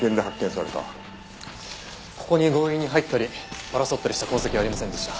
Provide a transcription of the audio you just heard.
ここに強引に入ったり争ったりした痕跡はありませんでした。